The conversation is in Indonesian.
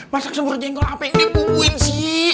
masak sebuah jengkol apa yang dibubuhin sih